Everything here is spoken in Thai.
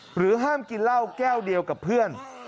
ห้ามกินเหล้าแก้วเดียวกับเพื่อน